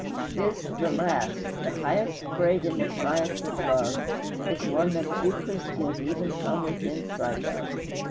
This, the last, the highest grade in the science of love, is one that few Christians even come within sight of.